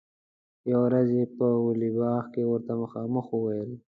یوه ورځ یې په ولي باغ کې ورته مخامخ وویل.